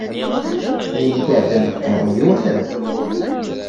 Ayen i d-iɛeddan deg uqerruy-iw ad t-aruɣ.